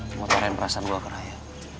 memotorin perasaan gue ke raya